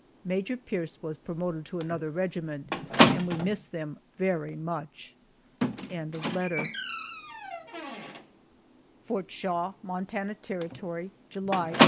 Major Pierce was promoted to another regiment and we miss them very much. FORT SHAW, MONTANA TERRITORY, July, 1882.